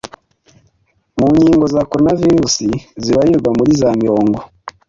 mu nkingo za Coronavirus zibarirwa muri za mirongo